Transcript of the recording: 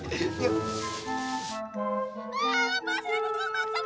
ah pasirin lu maksang